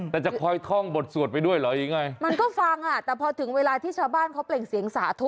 แต่จะคอยท่องบทสวดไปด้วยเหรอยังไงมันก็ฟังอ่ะแต่พอถึงเวลาที่ชาวบ้านเขาเปล่งเสียงสาธุ